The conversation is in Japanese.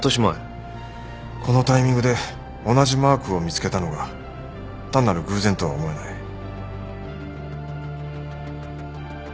このタイミングで同じマークを見つけたのが単なる偶然とは思えない。